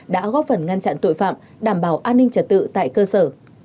đã góp phần ngăn chặn tội phạm đảm bảo an ninh trật tự tại cơ sở